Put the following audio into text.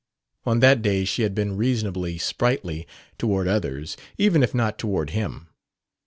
On that day she had been reasonably sprightly toward others, even if not toward him.